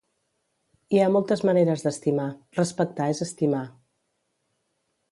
Hi ha moltes maneres d'estimar, respectar és estimar.